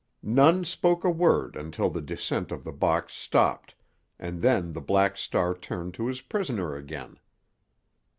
None spoke a word until the descent of the box stopped, and then the Black Star turned to his prisoner again.